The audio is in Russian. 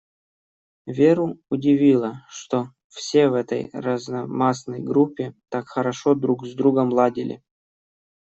Веру удивило, что все в этой разномастной группе так хорошо друг с другом ладили.